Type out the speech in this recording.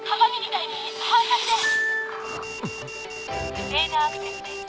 不正なアクセスです。